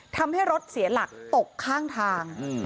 ทำให้รถเสียหลักตกข้างทาง